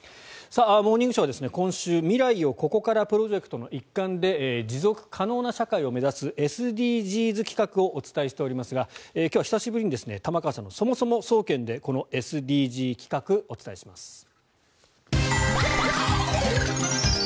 「モーニングショー」は今週未来をここからプロジェクトの一環で持続可能な社会を目指すＳＤＧｓ企画をお伝えしていますが今日は久しぶりに玉川さんのそもそも総研でこのＳＤＧｓ企画をお伝えします。